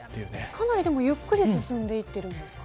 かなり、でもゆっくり進んでいってるんですか。